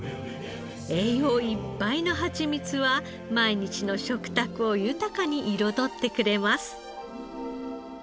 栄養いっぱいのハチミツは毎日の食卓を豊かに彩ってくれます。